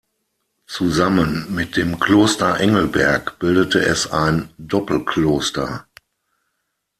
Zusammen mit dem Kloster Engelberg bildete es ein Doppelkloster.